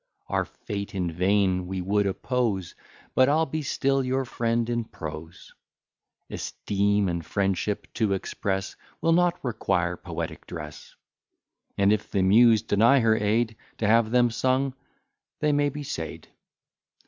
Our fate in vain we would oppose: But I'll be still your friend in prose: Esteem and friendship to express, Will not require poetic dress; And if the Muse deny her aid To have them sung, they may be said.